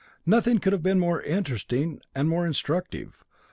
Nothing could have been more interesting and more instructive.